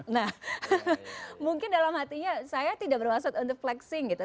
nah mungkin dalam hatinya saya tidak bermaksud untuk flexing gitu